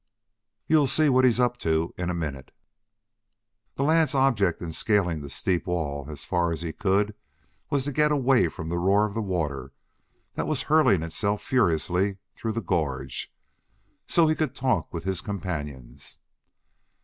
"You'll see what he's up to in a minute." The lad's object in scaling the steep wall as far as he could was to get away from the roar of the water that was hurling itself furiously through the gorge, so he could talk with his companions.